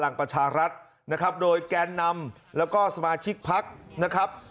ผลังประชารัฐโดยแกนนำและสมาชิกภักษ์